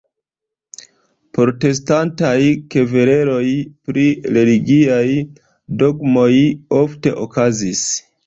Protestantaj kvereloj pri religiaj dogmoj ofte okazis.